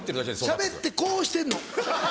しゃべってこうしてんの。